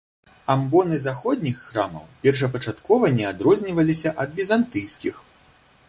Амбоны заходніх храмаў першапачаткова не адрозніваліся ад візантыйскіх.